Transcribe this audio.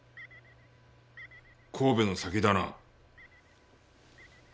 神戸の先だな。